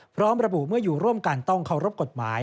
พร้อมระบุเมื่ออยู่ร่วมกันต้องเคารพกฎหมาย